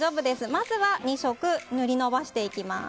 まずは２色塗り延ばしていきます。